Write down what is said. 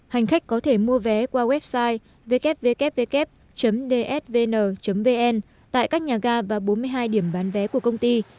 hành khách có thể mua vé qua website www dsvn vn tại các nhà ga và bốn mươi hai điểm bán vé của công ty